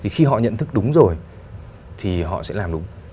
khi họ nhận thức đúng rồi thì họ sẽ làm đúng